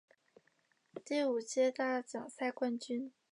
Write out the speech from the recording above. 第五届大奖赛冠军。